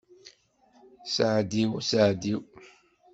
Saɛd-iw a saɛd-iw.